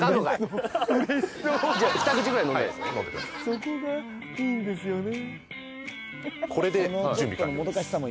そこがいいんですよね